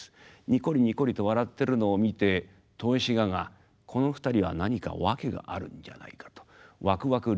ニコリニコリと笑ってるのを見て豊志賀がこの２人は何か訳があるんじゃないかと湧く湧く